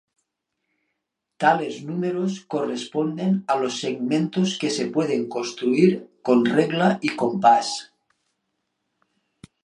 Tales números corresponden a los "segmentos" que se pueden construir con regla y compás.